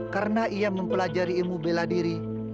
karena ia mempelajari ilmu bela diri